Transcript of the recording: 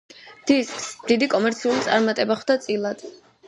დისკს დიდი კომერციული წარმატება ხვდა წილად.